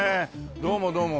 どうもどうも。